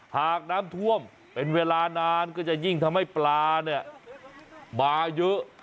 หากน้ำท่วมเป็นเวลานานก็จะยิ่งทำให้ปลาเนี่ยมาเยอะ